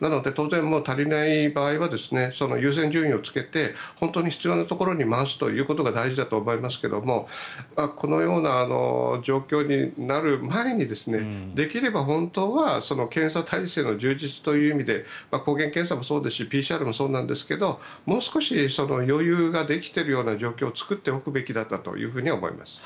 なので当然足りない場合は優先順位をつけて本当に必要なところに回すということが大事だと思いますがこのような状況になる前にできれば本当は検査体制の充実という意味で抗原検査もそうですしＰＣＲもそうなんですがもう少し余裕が出てきている状況を作っておくべきだったと思います。